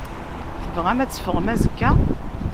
Tebɣamt ad teffɣemt azekka?